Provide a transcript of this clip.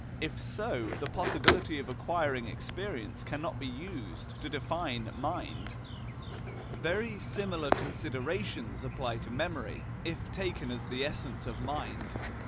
If so, the possibility of acquiring experience cannot be used to define mind.* * Cf. Lecture IV. Very similar considerations apply to memory, if taken as the essence of mind.